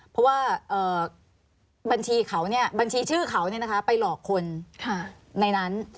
เพราะว่าบัญชีเขาบัญชีชื่อเขาไปหลอกคนในนั้น